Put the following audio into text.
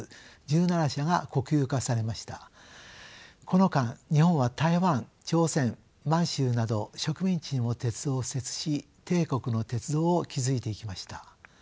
この間日本は台湾朝鮮満州など植民地にも鉄道を敷設し帝国の鉄道を築いていきました。